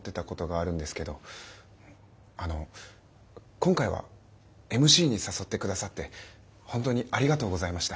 あの今回はＭＣに誘って下さって本当にありがとうございました。